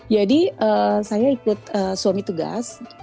jadi saya ikut suami tugas